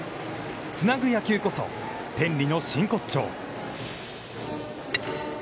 つなぐ野球こそ、天理の真骨頂。